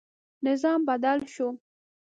نظام بدل شو.